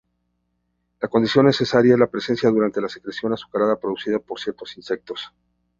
La condición necesaria es la presencia abundante de secreción azucarada producida por ciertos insectos.